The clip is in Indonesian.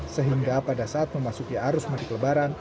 sehingga pada saat memasuki arus mudik lebaran